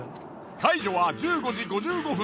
解除は１５時５５分。